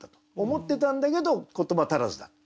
思ってたんだけど言葉足らずだった。